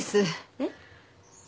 えっ？